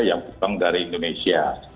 yang hutang dari indonesia